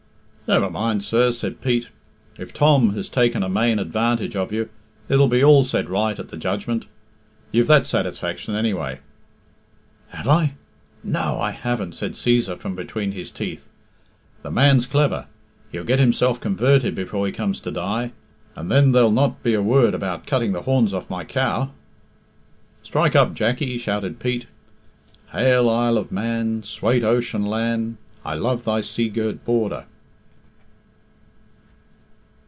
"Never mind, sir," said Pete. "If Tom has taken a mane advantage of you, it'll be all set right at the Judgment. You've that satisfaction, anyway." "Have I? No, I haven't," said Cæsar from between his teeth. "The man's clever. He'll get himself converted before he comes to die, and then there'll not be a word about cutting the horns off my cow." "Strike up, Jackie," shouted Pete. "Hail, Isle of Man, Swate ocean làn', I love thy sea girt border."